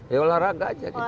ya olahraga aja kita